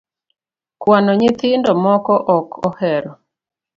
Kwano nyithindo moko ok ohero